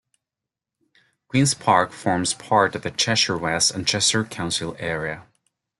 Queens Park forms part of the Cheshire West and Chester council area.